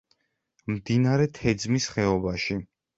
მდინარე თეძმის ხეობაში.